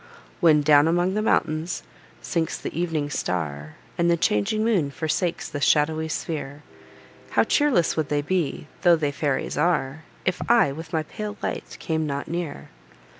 When, down among the mountains, sinks the ev'ning star, And the changing moon forsakes this shadowy sphere, How cheerless would they be, tho' they fairies are, If I, with my pale light, came not near!